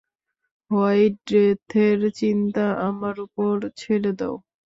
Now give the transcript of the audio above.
White ডেথের চিন্তা আমার ওপর ছেড়ে দাও।